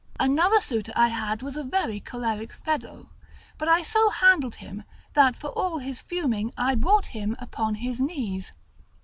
Another suitor I had was a very choleric fellow; but I so handled him, that for all his fuming, I brought him upon his knees.